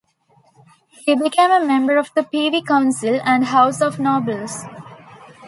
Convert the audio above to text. He became a member of the Privy Council and House of Nobles.